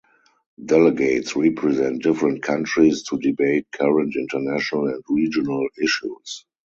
Delegates represent different countries to debate current international and regional issues.